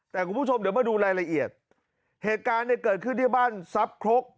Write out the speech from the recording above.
แต่คุณผู้ชมเดี๋ยวมาดูรายละเอียดเหตุการณ์เนี่ยเกิดขึ้นที่บ้านซับครก